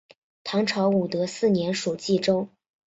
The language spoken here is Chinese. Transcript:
唐朝武德四年属济州。